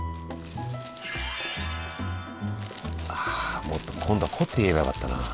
あもっと今度は凝って言えばよかったなあ。